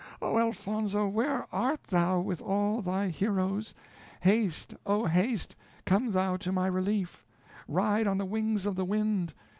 oh, Elfonzo! where art thou, with all thy heroes? haste, oh! haste, come thou to my relief. Ride on the wings of the wind!